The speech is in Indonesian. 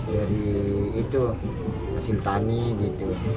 dari itu mesin tani gitu